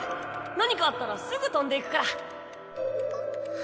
何かあったらすぐ飛んでいくあっ。